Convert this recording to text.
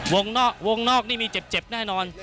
วงนอกนี่มีเจ็บแน่นอน